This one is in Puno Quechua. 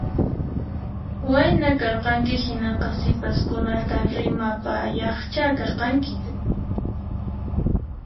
Wayna karqanki hinaqa sipaskunata rimapayaqcha karqanki